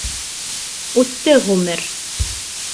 Үтте ғүмер!..